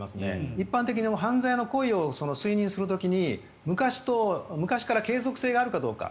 一般的に犯罪の故意を推認する時に昔から継続性があるかどうか。